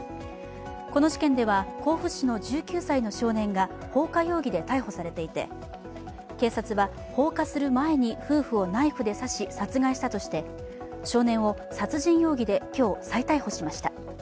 この事件では、甲府市の１９歳の少年が放火容疑で逮捕されていて警察は放火する前に夫婦をナイフで刺し殺害したとして少年を殺人容疑で今日、再逮捕しました。